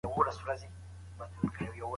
د ټولني عامه سرنوشت بايد په ګډه وټاکل سي.